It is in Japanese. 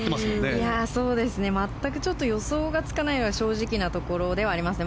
全く予想がつかないのが正直なところではありますね。